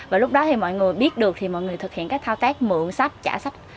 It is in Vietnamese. và lúc đó thì mọi người biết được thì mọi người thực hiện các thao tác mượn sách trả sách